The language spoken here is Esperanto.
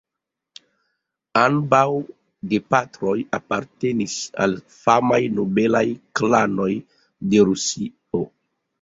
Ambaŭ gepatroj apartenis al famaj nobelaj klanoj de Rusio.